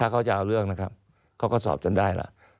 เขาจะเอาเรื่องนะครับเขาก็สอบจนได้แล้ว